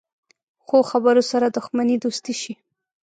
ښو خبرو سره دښمني دوستي شي.